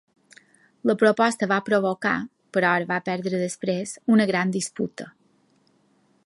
La proposta va provocar, però es va perdre després, una gran disputa.